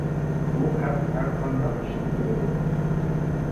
بۇ خەق ھەر قانداق ئىشنى قىلىدۇ.